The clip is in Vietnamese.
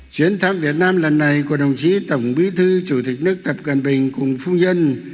chuyến thăm việt nam lần này của đồng chí tổng bí thư chủ tịch nước tập cận bình cùng phu nhân